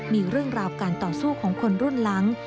มีเรื่องราวการต่อสู้ของคนรุ่นหลัง